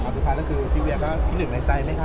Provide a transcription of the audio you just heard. สุดท้ายแล้วคือพี่เวียก็คิดหนึ่งในใจไหมค